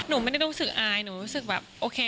หนูไม่ได้รู้สึกอายหนูรู้สึกแบบโอเค